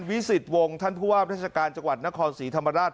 วิสิตวงศ์ท่านผู้ว่าราชการจังหวัดนครศรีธรรมราช